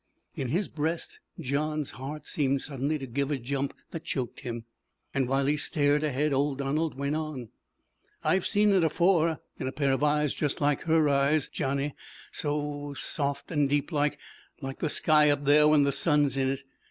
In his breast John's heart seemed suddenly to give a jump that choked him. And while he stared ahead old Donald went on. "I've seen it afore, in a pair of eyes just like her eyes, Johnny so soft an' deeplike, like the sky up there when the sun's in it.